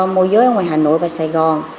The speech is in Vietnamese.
môi giới ngoài hà nội và sài gòn